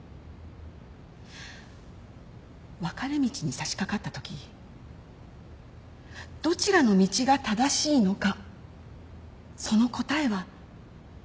分かれ道に差し掛かったときどちらの道が正しいのかその答えは誰にも分からない。